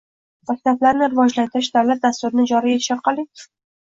Maktablarni rivojlantirish davlat dasturini joriy etish orqali